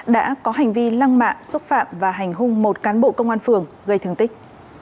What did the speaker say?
đã có hành vi lăng mạ xúc phạm và hành hung một cán bộ công an phường gây thương tích